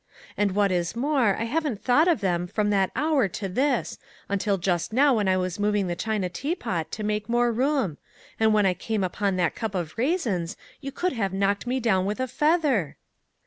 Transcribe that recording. And, what is more, I haven't thought of them from that hour to this, until just now when I was moving the china teapot to make more room; and when I come upon that cup of raisins you could have knocked me down with a feather